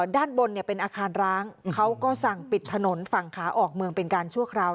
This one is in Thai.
ด้านบนเป็นอาคารร้างเขาก็สั่งปิดถนนฝั่งขาออกเมืองเป็นการชั่วคราว